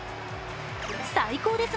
「最高です！」